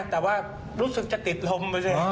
แต่ว่ารู้สึกจะติดลม